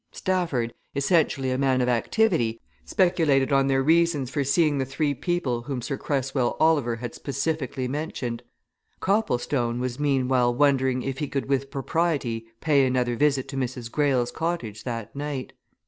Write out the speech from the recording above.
Stafford, essentially a man of activity, speculated on their reasons for seeing the three people whom Sir Cresswell Oliver had specifically mentioned: Copplestone was meanwhile wondering if he could with propriety pay another visit to Mrs. Greyle's cottage that night.